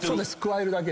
咥えるだけ。